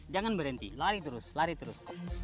jangan berhenti lari terus lari terus